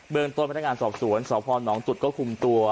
เบิร์นต้นพันธการสอบสวนสอบพ่อหนองจุดก็คุมตัว